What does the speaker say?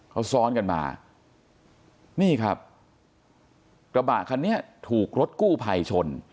เขาซ้อนกันมานี่ครับกระบะคันนี้ถูกรถกู้ภัยชน